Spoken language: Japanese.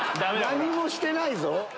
何もしてないぞ。